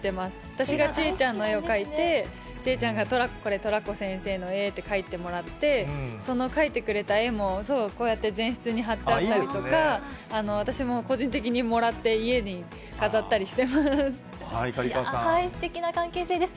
私が知恵ちゃんの絵を描いて、知恵ちゃんがトラコ先生の絵って描いてもらって、その描いてくれた絵も、そう、こうやってぜんしつに貼ってあったりとか、私も個人的にもらって、すてきな関係性です。